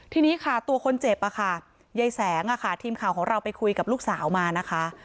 ทีนี้ค่ะตัวคนเจ็บค่ะยายแสงทีมข่าวของเราไปคุยกับลูกสาวมานะคะ